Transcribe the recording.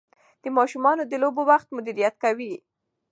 د ماشومانو د لوبو وخت مدیریت کوي.